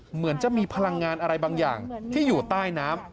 เหมือนจะมีพลังงานอะไรบางอย่างที่อยู่ใต้น้ำ